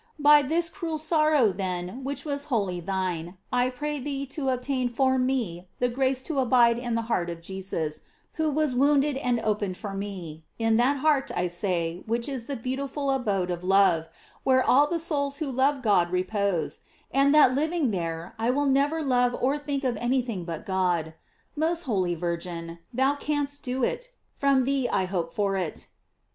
By this cruel sorrow, then, which was wholly thine, I pray thee to obtain for me the grace to abide in the heart of Jesus, who was wounded and opened for me; in that heart, I say, which is the beautiful abode of love, where all the souls who love God repose; and that living there, I will never love or think of any thing but God. Most holy Virgin, thou canst do it; from thee I hope for it.